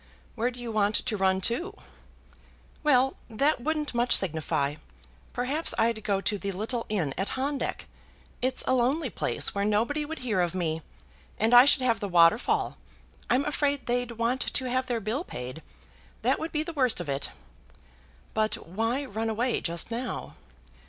"Where do you want to run to?" "Well; that wouldn't much signify. Perhaps I'd go to the little inn at Handek. It's a lonely place, where nobody would hear of me, and I should have the waterfall. I'm afraid they'd want to have their bill paid. That would be the worst of it." "But why run away just now?"